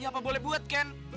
ya apa boleh buat ken